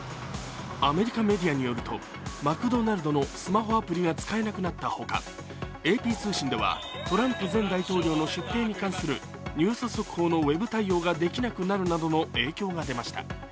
アメリカメディアによるとマクドナルドのスマホアプリが使えなくなったほか、ＡＰ通信ではトランプ前大統領の出廷に関するニュース速報のウェブ対応ができなくなるなどの影響が出ました。